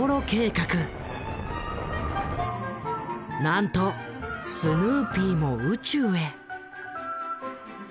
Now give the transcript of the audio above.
なんとスヌーピーも宇宙へ。